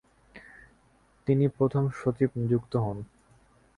তিনি প্রথম সচিব নিযুক্ত হন।